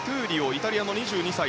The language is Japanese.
イタリア、２２歳。